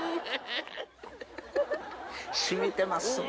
染みてますね。